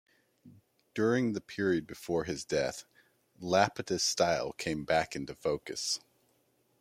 During the period before his death, Lapidus' style came back into focus.